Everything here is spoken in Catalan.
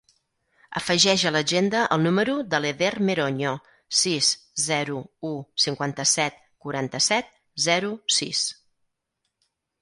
Afegeix a l'agenda el número de l'Eder Meroño: sis, zero, u, cinquanta-set, quaranta-set, zero, sis.